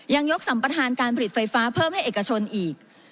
ยังยกสัมประธานการผลิตไฟฟ้าเพิ่มให้เอกชนอีก